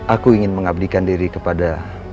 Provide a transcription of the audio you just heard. aku ingin mengabdikan diri kepada